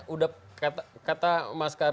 udah kata mas karni